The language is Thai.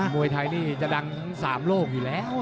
มวยไทยนี่จะดังทั้ง๓โลกอยู่แล้ว